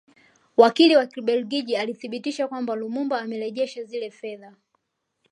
Wakili wa Kibelgiji akathibitisha kwamba Lumumba amesharejesha zile fedha